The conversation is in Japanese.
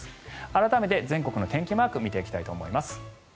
改めて、全国の天気マークを見ていきたいと思います。